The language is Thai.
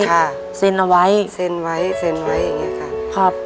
ค่ะเซ็นเอาไว้เซ็นไว้เซ็นไว้อย่างเงี้ค่ะครับ